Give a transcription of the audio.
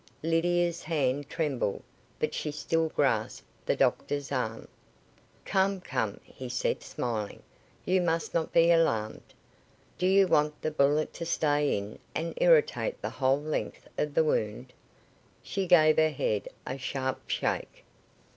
Lydia's hand trembled, but she still grasped the doctor's arm. "Come, come," he said, smiling. "You must not be alarmed. Do you want the bullet to stay in and irritate the whole length of the wound?" She gave her head a sharp shake.